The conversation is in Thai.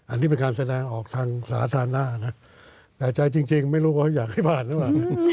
อันนี้เป็นการแสดงออกทางสาธารณะนะแต่ใจจริงไม่รู้เขาอยากให้ผ่านหรือเปล่า